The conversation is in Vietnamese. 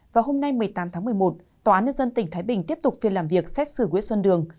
vào hôm nay một mươi tám tháng một mươi một tòa án nhân dân tỉnh thái bình tiếp tục phiên làm việc xét xử nguyễn xuân đường